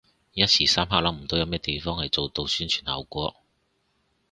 一時三刻諗唔到有咩地方係做到宣傳效果